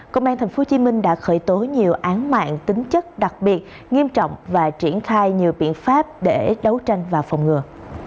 công an tp hcm đã khởi tố nhiều án mạng tính chất đặc biệt nghiêm trọng và triển khai nhiều biện pháp để đấu tranh và phòng ngừa